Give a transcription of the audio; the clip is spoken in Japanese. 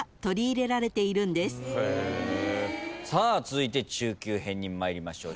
続いて中級編に参りましょう。